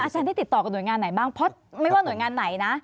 ได้ติดต่อกับหน่วยงานไหนบ้างเพราะไม่ว่าหน่วยงานไหนนะ